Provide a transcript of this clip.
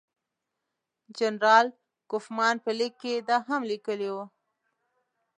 جنرال کوفمان په لیک کې دا هم لیکلي وو.